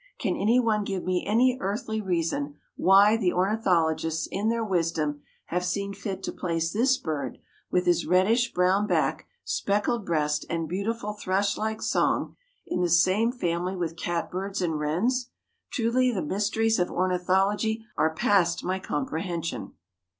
Can any one give me any earthly reason why the ornithologists in their wisdom have seen fit to place this bird, with his reddish brown back, speckled breast and beautiful thrush like song, in the same family with catbirds and wrens? Truly the mysteries of ornithology are past my comprehension.